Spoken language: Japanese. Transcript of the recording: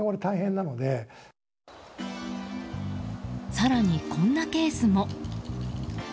更に、こんなケースも。